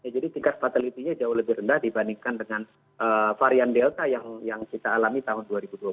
jadi tingkat fatality nya jauh lebih rendah dibandingkan dengan varian delta yang kita alami tahun dua ribu dua puluh satu